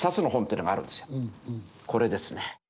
これですね。